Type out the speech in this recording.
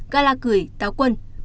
gala cửi táo quân